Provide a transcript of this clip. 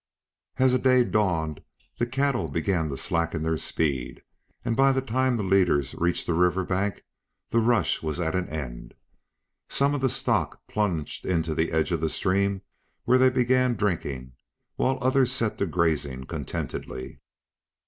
As the day dawned the cattle began to slacken their speed, and, by the time the leaders reached the river bank, the rush was at an end. Some of the stock plunged into the edge of the stream where they began drinking, while others set to grazing contentedly.